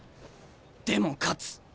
でも勝つ！